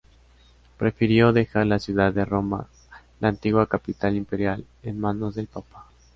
Prefirió dejar la ciudad de Roma, la antigua capital imperial, en manos del Papa.